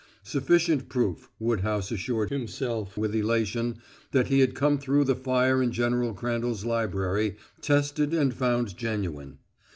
Sufficient proof, Woodhouse assured himself, with elation, that he had come through the fire in General Crandall's library, tested and found genuine.